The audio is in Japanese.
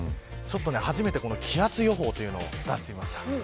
初めて気圧予報というのを出してみました。